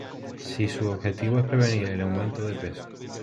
Si su objetivo es prevenir el aumento de peso